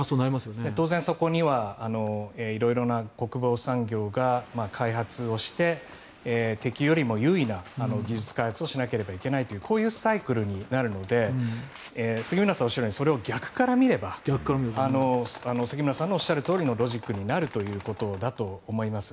当然そこには色々な国防産業が開発をして敵よりも優位な技術開発をしなければいけないというサイクルになるので杉村さんがおっしゃるようにそれを逆から見れば杉村さんがおっしゃるとおりのロジックになるということだと思います。